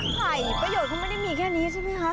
ใส่ประโยชน์เขาไม่ได้มีแค่นี้ใช่ไหมคะ